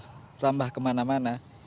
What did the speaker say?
kita harus merambah kemana mana